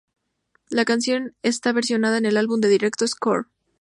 La canción es versionada en el álbum en directo "Score".